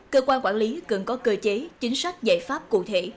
cơ quan quản lý cần có cơ chế chính sách giải pháp cụ thể